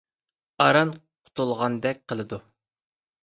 ئاران قۇتۇلغاندەك قىلىدۇ.